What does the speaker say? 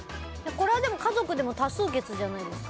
これはでも家族でも多数決じゃないですか。